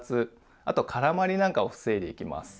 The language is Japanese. あと絡まりなんかを防いでいきます。